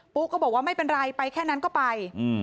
ุ๊กก็บอกว่าไม่เป็นไรไปแค่นั้นก็ไป